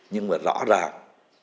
nhưng mà rõ ràng